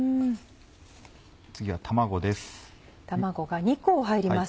次は卵です。